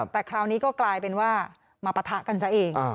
แต่คราวนี้ก็กลายเป็นว่ามาปะทะกันซะเอง